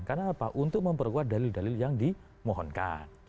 karena apa untuk memperkuat dalil dalil yang dimohonkan